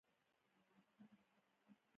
پنېر د بیلابیلو خوندونو سره بازار ته راځي.